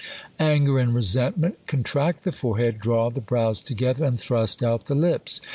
Anger and resentment contract the forehead, draw the brows together, and thrust out the lips.